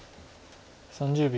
３０秒。